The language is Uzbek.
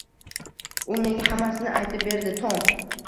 U menga hammmasini aytib berdi, Tom